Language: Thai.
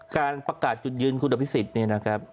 การประกาศจุดยืนคุณอภิษฎเนี่ยนะครับ